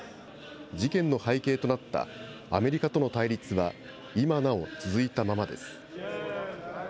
事件の背景となったアメリカとの対立は今なお続いたままです。